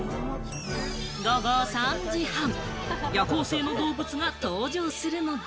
午後３時半、夜行性の動物が登場するのだ。